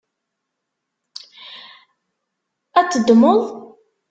Ad t-teddmeḍ?